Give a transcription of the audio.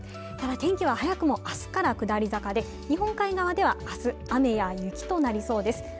ただ天気は早くも明日から下り坂で日本海側ではあす雨や雪となりそうです